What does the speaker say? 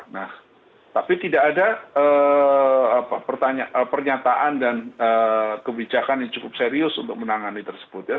nah tapi tidak ada pernyataan dan kebijakan yang cukup serius untuk menangani tersebut ya